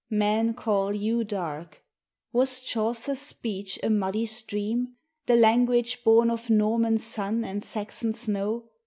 Men call you "dark." Was Chaucer's speech a muddy stream, The language born of Norman sun and Saxon snow?